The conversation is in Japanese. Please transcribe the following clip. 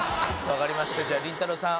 わかりました。